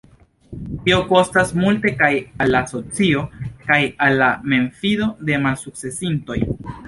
Tio kostas multe kaj al la socio kaj al la memfido de malsukcesintoj.